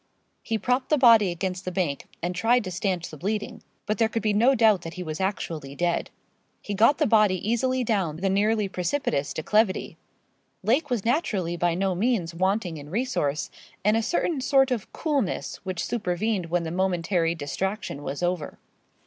He propped the body against the bank, and tried to stanch the bleeding. But there could be no doubt that he was actually dead. He got the body easily down the nearly precipitous declivity. Lake was naturally by no means wanting in resource, and a certain sort of coolness, which supervened when the momentary distraction was over.